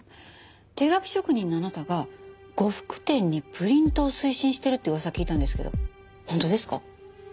手描き職人のあなたが呉服店にプリントを推進してるって噂聞いたんですけど本当ですか？